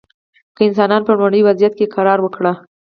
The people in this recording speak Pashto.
که انسانان په لومړني وضعیت کې قرار ورکړو.